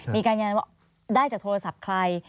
มีการยืนยันว่าได้จากโทรศัพท์ใคร